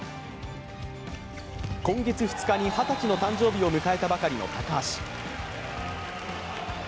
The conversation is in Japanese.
今月２日に二十歳の誕生日を迎えたばかりの高橋。